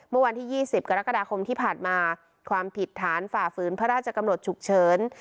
เมื่อวันที่๒๐กรกฎาคมที่ผ่านมาความผิดฐานฝ่าฝืนพระราชกำหนดฉุกเฉิน